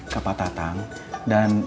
ke pak tatang dan